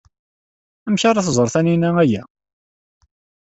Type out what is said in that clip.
Amek ara tẓer Taninna aya?